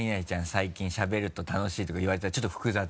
最近しゃべると楽しい」とか言われたらちょっと複雑？